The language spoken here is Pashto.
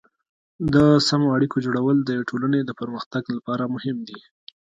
د سمو اړیکو جوړول د یوې ټولنې د پرمختګ لپاره مهم دي.